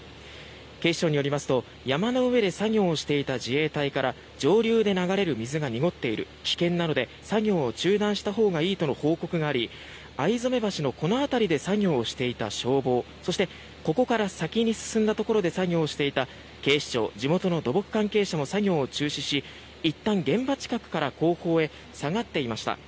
警視庁によりますと、山の上で作業をしていた自衛隊から上流で流れる水が濁っている危険なので作業を中断したほうがいいとの報告があり逢初橋のこの辺りで作業をしていた消防そして、ここから先に進んだところで作業していた警視庁、地元の土木関係者も作業を中止しいったん、現場近くから後方へ下がっていました。